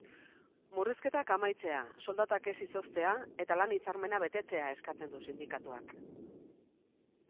Murrizketak amaitzea, soldatak ez izoztea eta lan-hitzarmena betetzea eskatzen du sindikatuak.